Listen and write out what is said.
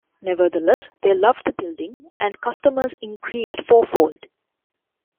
Nevertheless, they loved the building and customers increased fourfold.